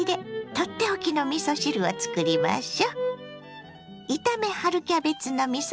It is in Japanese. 取って置きのみそ汁をつくりましょ。